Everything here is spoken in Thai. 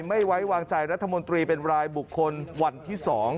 ไม่ไว้วางใจรัฐมนตรีเป็นรายบุคคลวันที่๒